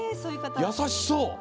優しそう。